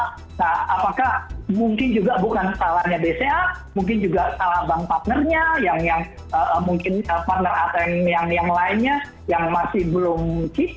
nah apakah mungkin juga bukan skalanya bca mungkin juga salah bank partnernya yang mungkin partner atau yang lainnya yang masih belum cheese